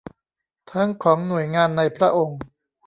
ทั้งของหน่วยงานในพระองค์